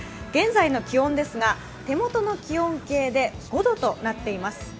現在の気温ですが手元の気温計で５度となっています